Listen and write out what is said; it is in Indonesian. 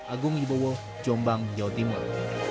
agung wibowo jombang jawa timur